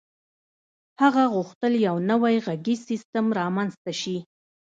هغه غوښتل یو نوی غږیز سیسټم رامنځته شي